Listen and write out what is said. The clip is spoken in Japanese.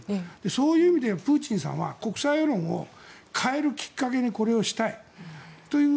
そういう意味でプーチンさんは国際世論を変えるきっかけにこれをしたいという。